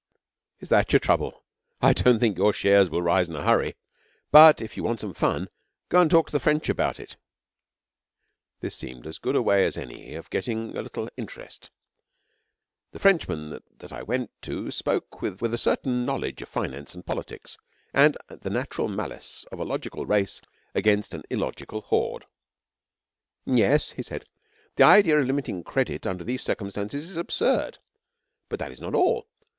'Is that your trouble? I don't think your shares will rise in a hurry; but if you want some fun, go and talk to the French about it,' This seemed as good a way as any of getting a little interest. The Frenchman that I went to spoke with a certain knowledge of finance and politics and the natural malice of a logical race against an illogical horde. 'Yes,' he said. 'The idea of limiting credit under these circumstances is absurd. But that is not all.